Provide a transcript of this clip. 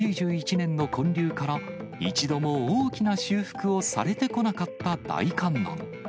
びっくりするぐらいひびがお１９９１年の建立から、一度も大きな修復をされてこなかった大観音。